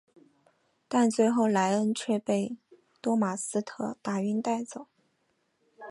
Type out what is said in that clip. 但最后莱恩却被多马斯特打晕带走。